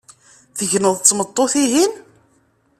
Tegneḍ d tmeṭṭut-ihin?